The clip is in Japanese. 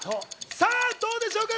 さぁどうでしょうか？